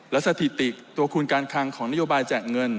และสถิติตัวคุณการคังของนโยบายแจกเงิน